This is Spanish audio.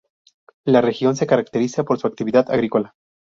La región se caracteriza por su actividad agrícola.